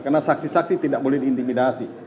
karena saksi saksi tidak boleh diintimidasi